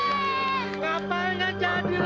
bagaimana perahunya ini